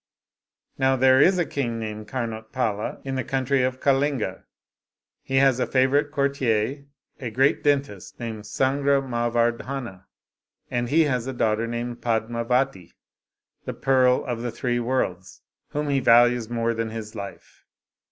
Now there is a king named Karnotpala in the country of Ka linga; he has a favorite courtier, a great dentist named Sangramavardhana, and he has a daughter named Padma vati, the pearl of the three worlds, whom he values more than his life.